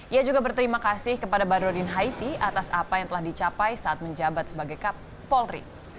ia juga berterima kasih kepada badrodin haiti atas apa yang telah dicapai saat menjabat sebagai kapolri